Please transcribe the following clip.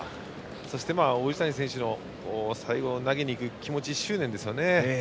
そして王子谷選手の最後、投げに行く気持ち、執念ですよね。